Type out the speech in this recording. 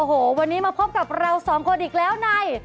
โอ้โหวันนี้มาพบกับเราสองคนอีกแล้วใน